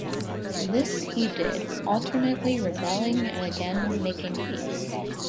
This he did, alternately rebelling and again making peace.